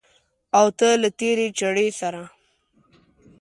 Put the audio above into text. او ته له تېرې چړې سره